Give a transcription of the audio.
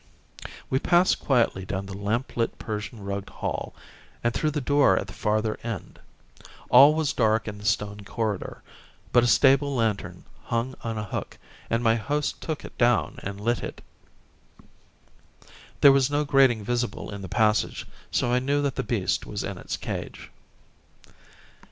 We passed quietly down the lamp lit Persian rugged hall, and through the door at the farther end. All was dark in the stone corridor, but a stable lantern hung on a hook, and my host took it down and lit it. There was no grating visible in the passage, so I knew that the beast was in its cage.